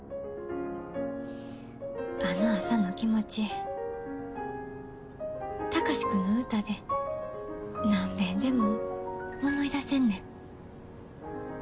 あの朝の気持ち、貴司君の歌で何べんでも思い出せんねん。